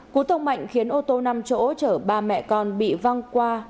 cú tông mạnh khiến ô tô năm chỗ chở ba mẹ con bị văng qua